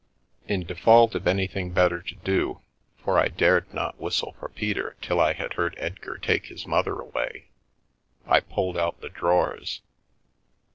In default of anything better to do — for I dared not whistle for Peter till I had heard Edgar take his mother away — I pulled out the drawers.